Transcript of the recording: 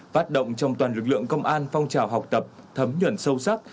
phát động trong toàn lực lượng công an phong trào học tập thấm nhuận sâu sắc